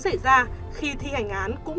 xảy ra khi thi hành án cũng